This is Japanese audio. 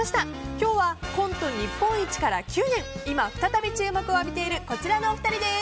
今日はコント日本一から９年今、再び注目を浴びているこちらのお二人です。